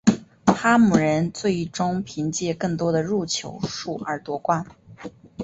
哈姆人最终凭借更多的入球数而夺冠。